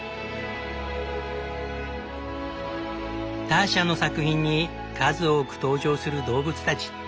ターシャの作品に数多く登場する動物たち。